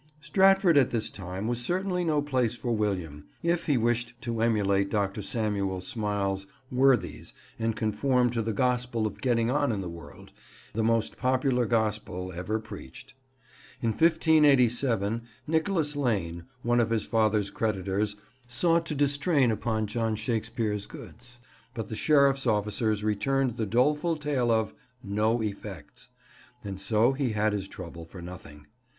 Stratford at this time was certainly no place for William, if he wished to emulate Dr. Samuel Smiles' worthies and conform to the gospel of getting on in the world, the most popular gospel ever preached. In 1587, Nicholas Lane, one of his father's creditors, sought to distrain upon John Shakespeare's goods, but the sheriff's officers returned the doleful tale of "no effects," and so he had his trouble for nothing.